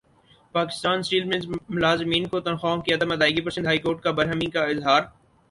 Pakistan steels ملزملازمین کو تنخواہوں کی عدم ادائیگی پرسندھ ہائی کورٹ کا برہمی کااظہار